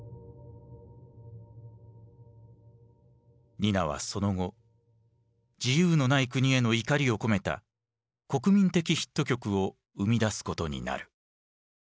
ニナはその後自由のない国への怒りを込めた国民的ヒット曲を生みだすことになる。